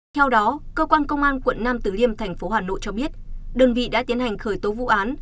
theo đó cơ quan công an quận nam tử liêm thành phố hà nội cho biết đơn vị đã tiến hành khởi tố vụ án